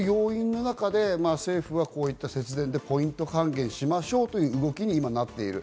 政府はこういった節電でポイント還元しましょうという動きになっている。